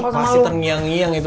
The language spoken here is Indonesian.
ih pasti terngiang ngiang itu